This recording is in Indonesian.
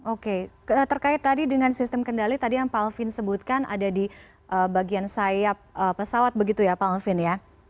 oke terkait tadi dengan sistem kendali tadi yang pak alvin sebutkan ada di bagian sayap pesawat begitu ya pak alvin ya